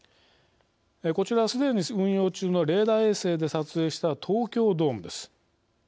こちらは、すでに運用中のレーダー衛星で撮影した東京ドームです。